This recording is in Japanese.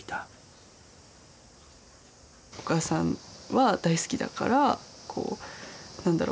お母さんは大好きだからこう何だろう